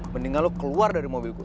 mendingan lo keluar dari mobil gue